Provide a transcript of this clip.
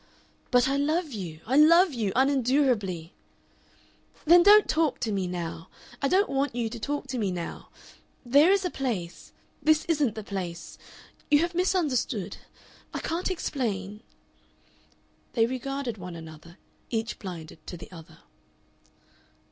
"But I love you. I love you unendurably." "Then don't talk to me now. I don't want you to talk to me now. There is a place This isn't the place. You have misunderstood. I can't explain " They regarded one another, each blinded to the other.